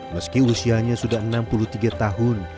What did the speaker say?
meski usianya sudah enam puluh tiga tahun